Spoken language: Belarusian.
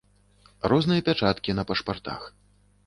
Розныя пячаткі на пашпартах.